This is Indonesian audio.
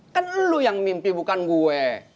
kan lu yang mimpi bukan gue